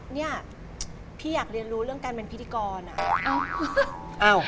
เนี่ยพี่อยากเรียนรู้เรื่องการเป็นพิธีกรอ่ะ